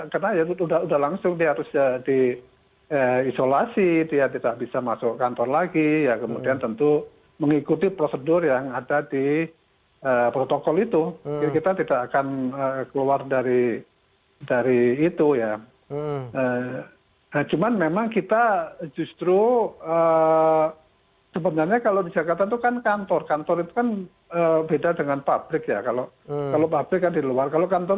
kalau pabrik kan di luar kalau kantor itu